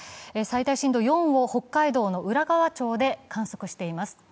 最大震度４を北海道の浦河町で観測しています。